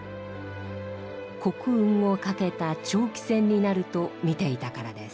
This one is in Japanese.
国運を懸けた長期戦になると見ていたからです。